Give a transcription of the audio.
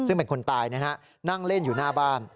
ซึ่งเป็นคนตายนะฮะนั่งเล่นอยู่หน้าบ้าน